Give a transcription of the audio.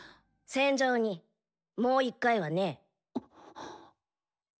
戦場にもう一回は無ぇ。